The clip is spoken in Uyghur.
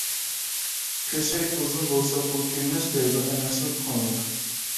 «كۆسەي ئۇزۇن بولسا قول كۆيمەس» دەيدۇ ئەمەسمۇ كونىلار.